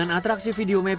alang deskripsi di jayap